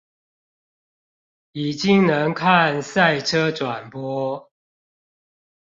已經能看賽車轉播